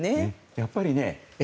やっぱりえ？